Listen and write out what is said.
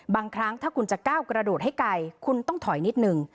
บางครั้งถ้าคุณจะก้าวกระโดดให้ไกลคุณต้องถอยนิดนึง